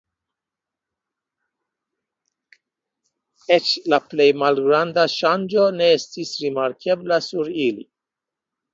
Eĉ la plej malgranda ŝanĝo ne estis rimarkebla sur ili.